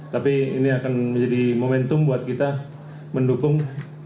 tapi ini akan menjadi momentum buat kita mendukung